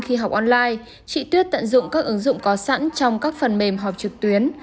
khi học online chị tuyết tận dụng các ứng dụng có sẵn trong các phần mềm họp trực tuyến